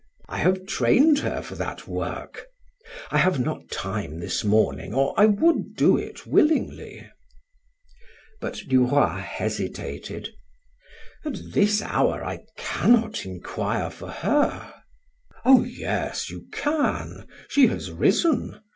I have trained her for that work. I have not time this morning or I would do it willingly." But Duroy hesitated: "At this hour I cannot inquire for her." "Oh, yes, you can; she has risen.